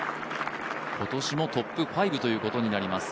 今年もトップ５ということになります。